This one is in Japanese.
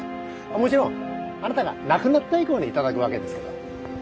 もちろんあなたが亡くなった以降に頂くわけですけど。